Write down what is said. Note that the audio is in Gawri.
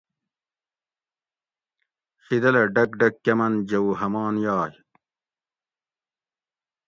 شیدلہ ڈۤک ڈۤک کۤمن جوؤ ہمان یائی